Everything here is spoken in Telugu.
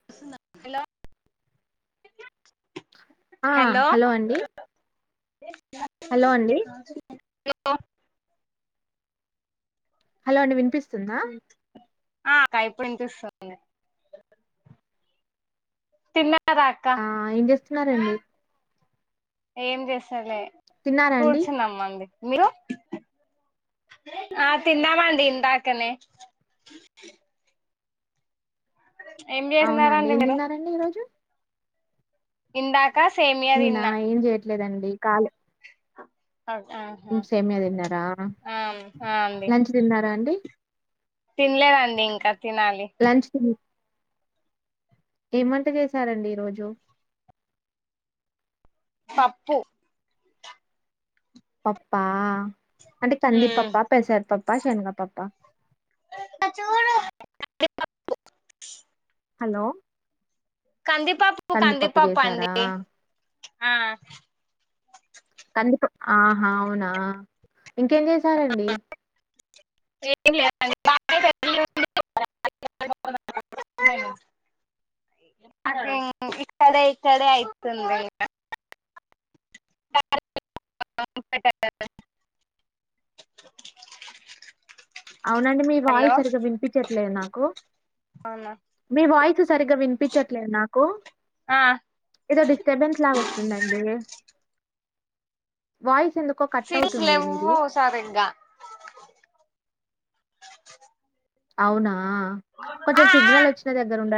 హలొ ఆ హలో అండి హలో హలో అండి వినిపిస్తుందా ఆ అక్క ఇప్పుడు ఇనిపిస్తుంది తిన్న ఆ ఏం జేస్తున్నారండి ఏం జెస్తలే తిన్నారా అండి? కూర్చున్నామండి మీరు ఆ తిన్నామండి ఇందాకనే ఏం అవునా అండి చేస్తున్నారండి ఏం తిన్నారండి ఈరోజు ఇందాకా సేమ్యా దిన్న లేదండి కాల్ ఆహా సేమ్యా దిన్నారా ఆ లంచ్ తిన్నారా అండి తిన్లేదండి ఇంక లంచ్ తినే ఏం వంట చేశారండి ఈరోజు పప్పు పప్పా అంటే మ్మ్ కందిపప్ప పెసరపప్ప శనగపప్ప చూడు హలో కందీపప్పు కందిపప్పు కందీపప్పు చేశారా? అండి ఆ క ఆహా అవునా ఇంకేం చేసారండి ఏమ్ లేదండి [unintelligible] [unintelligible] ఇక్కడె ఇక్కడె అయితుంది ఇంక అవునండి మీ హలో వాయిస్ సరిగా వినిపించట్లేదు నాకు అవునా మీ వాయిస్ సరిగా వినిపించట్లేదు నాకు ఆ ఏదో డిస్టర్బెన్స్ లాగా వస్తుందండి వాయిస్ ఎందుకో కట్ సిగ్నల్స్ అవుతుంది మీది లేవ్వు సరిగ్గా అవునా ఆ కొంచెం సిగ్నల్ ఆ వచ్చిన దగ్గర ఉండ